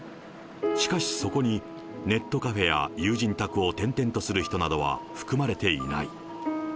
しかし、そこにネットカフェや友人宅を転々とする人などは含まれていない。